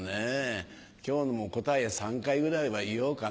今日も答え３回ぐらいは言おうかな。